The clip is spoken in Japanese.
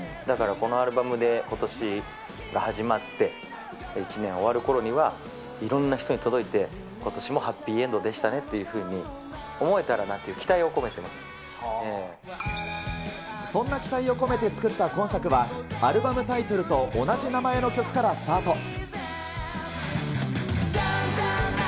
だから、このアルバムでことしが始まって、１年終わるころには、いろんな人に届いて、ことしもハッピーエンドでしたねっていうふうに思えたらなっていそんな期待を込めて作った今作は、アルバムタイトルと同じ名前の曲からスタート。